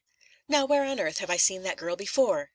"Now, where on earth have I seen that girl before?"